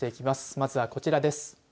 まずは、こちらです。